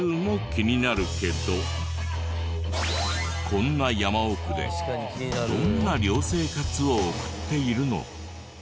こんな山奥でどんな寮生活を送っているの？